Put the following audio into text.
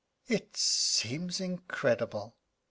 "It seems incredible!"